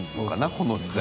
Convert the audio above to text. この時代。